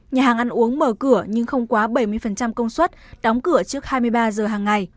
nhà hàng ăn uống mở cửa nhưng không quá bảy mươi công suất đóng cửa trước hai mươi ba giờ hàng ngày